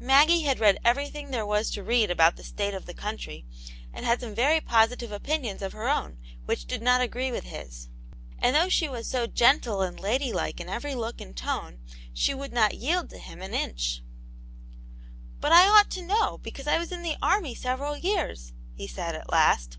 Maggie had read everything there was to read about the state of the country, and had some very positive opinions of her own which did not agree with his. And though she was so gentle and lady like in every look and tone, she would not yield to him an inch. " But I ought to know, because I was in the army several years," he said, at last.